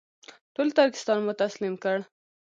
ټول ترکستان مو تسلیم کړ.